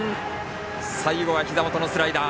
最後はひざ元のスライダー。